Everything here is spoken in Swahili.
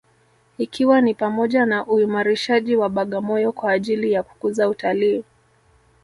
Ikiwa ni pamoja na uimarishaji wa Bagamoyo kwa ajili ya kukuza utalii